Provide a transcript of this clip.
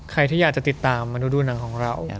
ใครที่อยากจะติดตามมาดูหนังของเรา